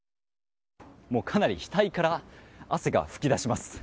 かなり額から汗が噴き出します。